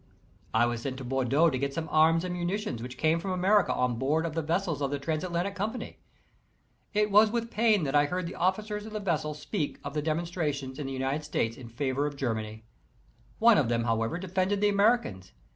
I was sent to Bordeaux to get some arms and muni tions which came from America on board of the vessels >5 of the Transatlantic Company. It was with pain that I heard the officers of the vessel speak of the demonstra tions in the United States in favor of Germany. One of them, however, defended the Americans.